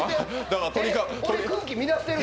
空気乱してる？